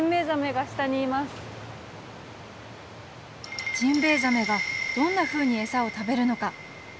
ジンベエザメがどんなふうに餌を食べるのか。